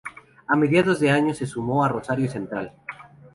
A mediados de año se sumó a Rosario Central.